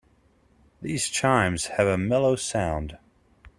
These chimes have a mellow sound.